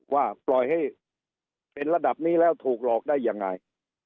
ว่าปล่อยให้เป็นระดับนี้แล้วถูกหลอกได้ยังไง